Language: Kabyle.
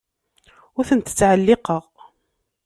Ur tent-ttɛelliqeɣ.